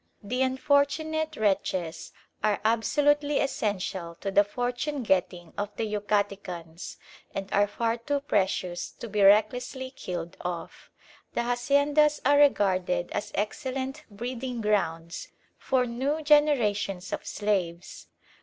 The unfortunate wretches are absolutely essential to the fortune getting of the Yucatecans, and are far too precious to be recklessly killed off. The haciendas are regarded as excellent breeding grounds for new generations of slaves.